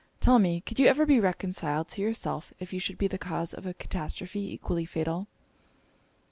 Tell me could you ever be reconciled to yourself if you should be the cause of a catastrophe equally fatal?'